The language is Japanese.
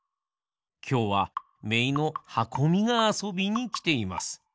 きょうはめいのはこみがあそびにきています。